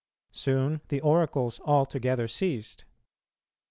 Soon the oracles altogether ceased.